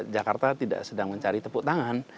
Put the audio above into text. jakarta tidak sedang mencari tepuk tangan